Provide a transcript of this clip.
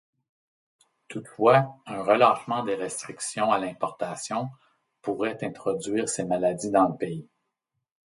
Toutefois, un relâchement des restrictions à l'importation pourrait introduire ces maladies dans le pays.